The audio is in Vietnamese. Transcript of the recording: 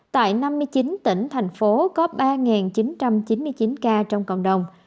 tại năm mươi chín tỉnh thành phố có ba chín trăm chín mươi chín ca trong cộng đồng